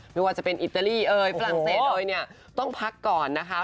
ไม่ว่าจะเป็นอิตาลีฝรั่งเศสต้องพักก่อนนะคะ